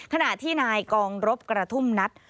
ขณะที่นายกองรบกระทุ่มนัด